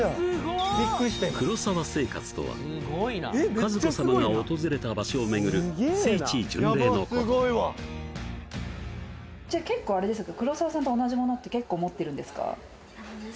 黒沢生活とはかずこ様が訪れた場所を巡る聖地巡礼のことじゃあ結構あれですか？